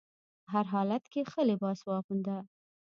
هر حالت کې ښه لباس واغونده.